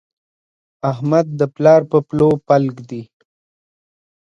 احمد د پلار پر پلو پل کېښود.